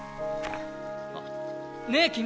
あっねえ君！